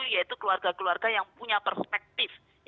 yaitu keluarga keluarga yang punya perspektif